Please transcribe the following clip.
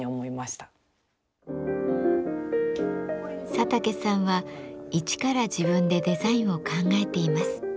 佐竹さんは一から自分でデザインを考えています。